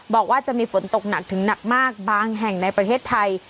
บอกว่าจะมีฝนตกหนักถึงหนักมากบางแห่งในประเทศไทย